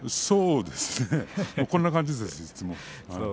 そうですねこんな感じです。